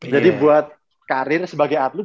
jadi buat karir sebagai atlet